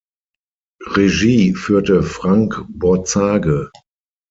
Regie führte Frank Borzage.